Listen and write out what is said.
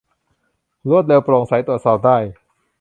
รวดเร็ว โปร่งใส ตรวจสอบได้